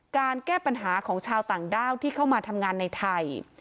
การแก้ปัญหาของชาวต่างด้าวที่เข้ามาทำงานในไทย